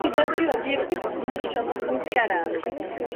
პირდაპირი ობიექტი ზმნაში გამოხატული არაა.